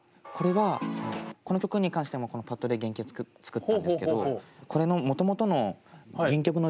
これはこの曲に関してもこのパッドで原型作ったんですけどこれのもともとの原曲？